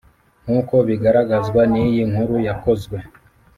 Nk uko bigaragazwa n iyi nkuru yakozwe